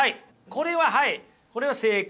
これははいこれは正解。